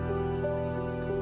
ya allah ya tuhan